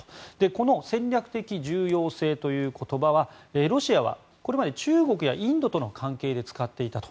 この戦略的重要性という言葉はロシアはこれまで中国やインドとの関係で使っていたと。